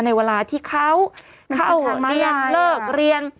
ในเวลาที่เขาเข้าโรงเรียนเลิกเรียน